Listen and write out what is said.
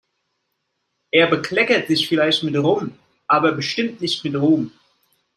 Er bekleckert sich vielleicht mit Rum, aber bestimmt nicht mit Ruhm.